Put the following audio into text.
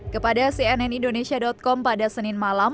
kepada cnn indonesia com pada senin malam